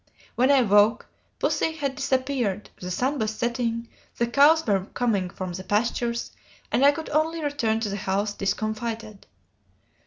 When I woke, pussy had disappeared, the sun was setting, the cows were coming from the pastures, and I could only return to the house discomfited.